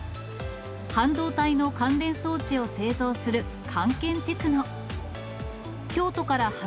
半導体の関連装置を製造するカンケンテクノ。